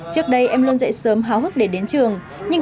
trước đây em luôn dậy sớm háo hức để đến trường nhưng